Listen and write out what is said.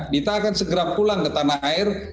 dita akan segera pulang ke tanah air